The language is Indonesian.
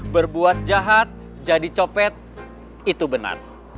berbuat jahat jadi copet itu benar